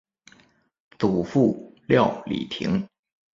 祖父廖礼庭。